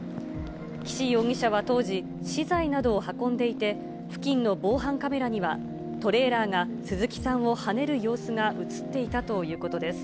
岸容疑者は当時、資材などを運んでいて、付近の防犯カメラには、トレーラーが鈴木さんをはねる様子が写っていたということです。